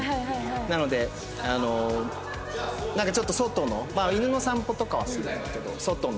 なのでちょっと外のまあ犬の散歩とかはするんだけど外の。